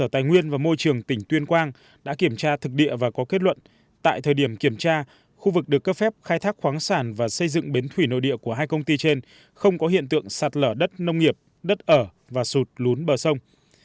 nguyên trưởng tỉnh tuyên quang đã kiểm tra thực địa và có kết luận tại thời điểm kiểm tra khu vực được cấp phép khai thác khoáng sản và xây dựng bến thủy nội địa của hai công ty trên không có hiện tượng sạt lở đất nông nghiệp đất ở và sụt lún bờ sông